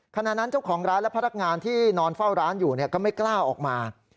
ขณะนั้นเจ้าของร้านและพนักงานที่นอนเฝ้าร้านอยู่ก็ไม่กล้าออกมา